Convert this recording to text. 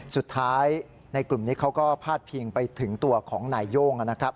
สุดท้ายในกลุ่มนี้เขาก็พาดพิงไปถึงตัวของนายโย่งนะครับ